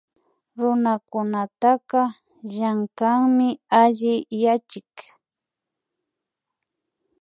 Runakunataka llankanmi alli yachik